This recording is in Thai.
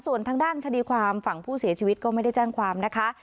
ส่วนทางด้านคดีความฝั่งผู้เสียชีวิตก็ไม่ได้แจ้งความนะคะ